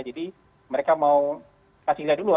jadi mereka mau kasih lihat dulu